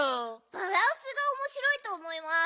バランスがおもしろいとおもいます。